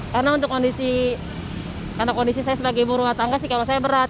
karena kondisi saya sebagai ibu rumah tangga sih kalau saya berat